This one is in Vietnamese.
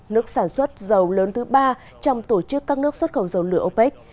nước sản xuất dầu lớn thứ ba trong tổ chức các nước xuất khẩu dầu lửa opec